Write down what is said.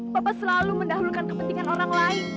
bapak selalu mendahulukan kepentingan orang lain